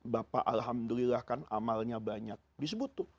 bapak alhamdulillah kan amalnya banyak disebut tuh